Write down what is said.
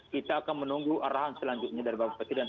kita akan menunggu arahan selanjutnya dari bapak presiden